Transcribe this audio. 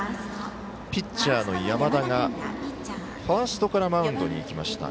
ピッチャーの山田がファーストからマウンドに行きました。